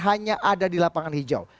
hanya ada di lapangan hijau